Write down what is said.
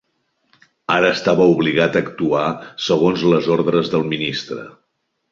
Ara estava obligat a actuar segons les ordres del ministre.